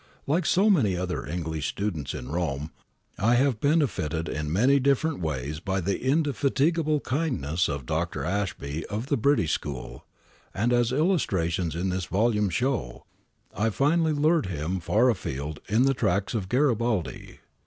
Like so many other English students in Rome I have benefited in many different ways by the indefatigable kindness of Dr. Ashby of the British School, and as illustrations in this volume show, I finally lured him far afield in the tracks of Garibaldi.